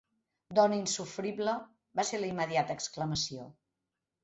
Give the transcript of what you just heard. "Dona insofrible!", va ser la immediata exclamació.